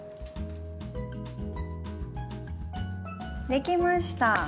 できました！